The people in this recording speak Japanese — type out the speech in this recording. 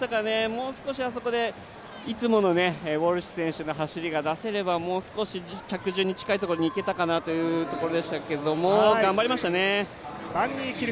もう少しあそこでいつものウォルシュ選手の走りが出せればもう少し着順に近いところにいけたかなというところでしたけれども頑張りましたね。